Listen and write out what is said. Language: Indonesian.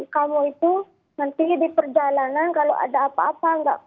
kamu itu nanti di perjalanan kalau ada apa apa